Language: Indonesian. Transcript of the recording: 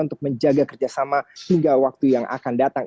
untuk menjaga kerjasama hingga waktu yang akan datang